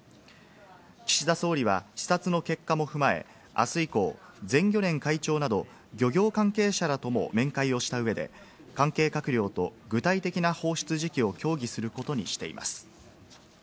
岸田総理は視察の結果も踏まえ、あす以降、全漁連会長など漁業関係者らとも面会をした上で、関係閣僚と具体的な放出時期を協議することにしています。